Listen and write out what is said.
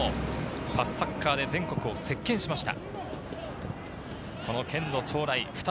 パスサッカーで全国を席巻しました。